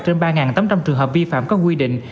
trên ba tám trăm linh trường hợp vi phạm các quy định